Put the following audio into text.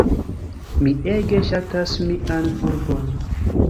Mi ege ŝatas mian urbon.